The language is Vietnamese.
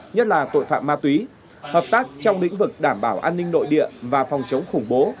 nhất là tội phạm ma túy hợp tác trong lĩnh vực đảm bảo an ninh nội địa và phòng chống khủng bố